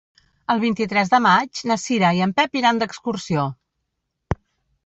El vint-i-tres de maig na Cira i en Pep iran d'excursió.